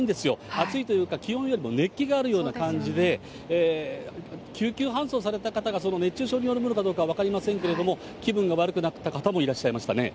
暑いというか、気温よりも熱気があるような感じで、救急搬送された方が、その熱中症によるものかどうか分かりませんけれども、気分が悪くなった方もいらっしゃいましたね。